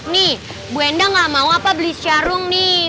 nih bu endang gak mau apa beli sarung nih